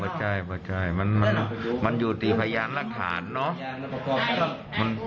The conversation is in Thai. บ่ใช่บ่ใช่มันอยู่ที่พยานรัฐฐานเนาะ